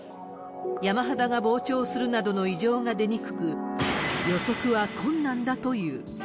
山肌が膨張するなどの異常が出にくく、予測は困難だという。